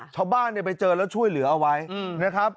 ชาวบ้านไปเจอแล้วช่วยเหลือเอาไว้นะครับ